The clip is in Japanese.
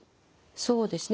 そうですね。